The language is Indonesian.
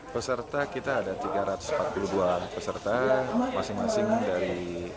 peserta kita ada tiga ratus empat puluh dua peserta masing masing dari